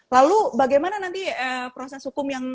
lalu bagaimana nanti proses hukum yang